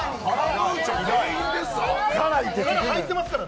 「カラ」入ってますから。